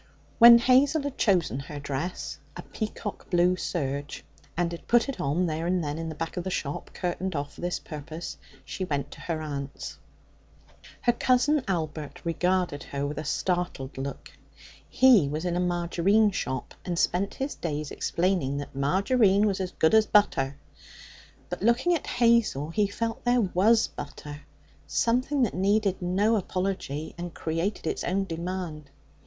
When Hazel had chosen her dress a peacock blue serge and had put it on there and then in the back of the shop, curtained off for this purpose, she went to her aunt's. Her cousin Albert regarded her with a startled look. He was in a margarine shop, and spent his days explaining that Margarine was as good as butter. But, looking at Hazel, he felt that here was butter something that needed no apology, and created its own demand.